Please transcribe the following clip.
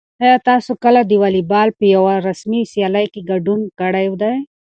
آیا تاسو کله د واليبال په یوه رسمي سیالۍ کې ګډون کړی دی؟